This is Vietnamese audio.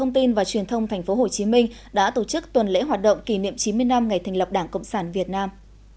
tp hcm đã tổ chức tuần lễ hoạt động kỷ niệm chín mươi năm ngày thành lập đảng cộng sản việt nam